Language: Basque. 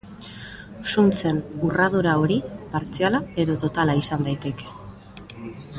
Zuntzen urradura hori partziala edo totala izan daiteke.